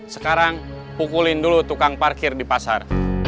sekarang pukulin dulu tukang parkir di pasar